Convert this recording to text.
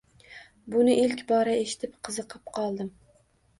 Buni ilk bora eshitib, qiziqib qoldim